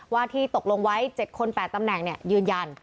ว่าที่ตกลงไว้๗คน๘ตำแหน่งยืนยัน